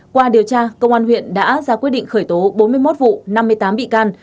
qua điều tra công an huyện đã ra quyết định khởi tố bốn mươi một vụ năm mươi tám bị can